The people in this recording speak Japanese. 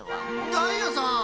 ダイヤさん。